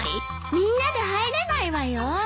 みんなで入れないわよ。